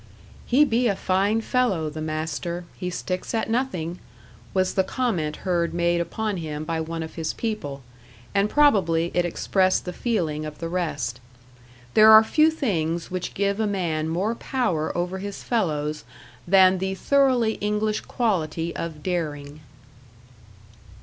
"He be a fine fellow, the master; he sticks at nothing," was the comment heard made upon him by one of his people, and probably it expressed the feeling of the rest. There are few things which give a man more power over his fellows than the thoroughly English quality of daring.